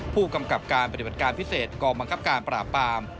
ผู้กำกับการปฏิบัติการพิเศษกองบังคับการปราบปาม